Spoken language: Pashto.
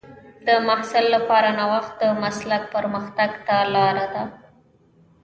د محصل لپاره نوښت د مسلک پرمختګ ته لار ده.